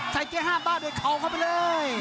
ใส่เกียร์ห้าบ้าโดยเขาเข้าไปเลย